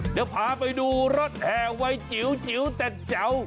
เดี๋ยวพาไปดูรถแห่วัยจิ๋วแต่แจ๋ว